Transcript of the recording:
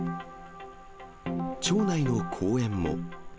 町内の公園も。